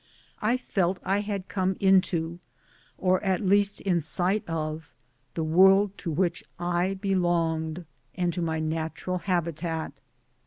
I felt I had come into, or at least in sight of, the world to which I belonged, and to my natural habitat.